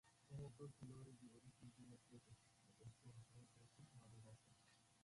সমগ্র খেলোয়াড়ী জীবনে তিনটিমাত্র টেস্টে অংশগ্রহণ করেছেন নাদিম আব্বাসি।